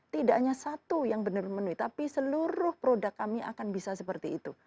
tidak hanya satu yang benar menu tapi seluruh produk kami akan bisa seperti itu